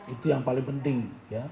itu yang paling penting